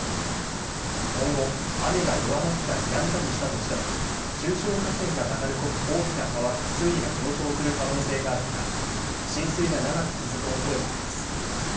今後、雨が弱まったりやんだりしたとしても中小河川が流れ込む大きな川で水位が上昇する可能性があるほか浸水が長く続くおそれもあります。